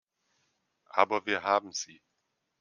Aber wir haben sie!